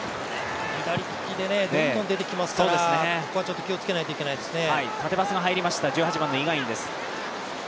左利きでどんどん出てきますから、ここは気をつけないといけないですね。